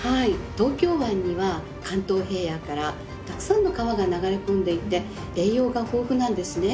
東京湾には関東平野からたくさんの川が流れ込んでいて栄養が豊富なんですね。